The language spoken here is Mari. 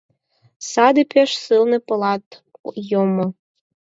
Саде пеш сылне полат йомо.